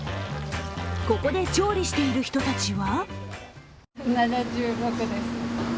ここで調理している人たちは？